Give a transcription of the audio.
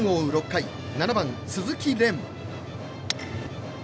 ６回７番、鈴木蓮。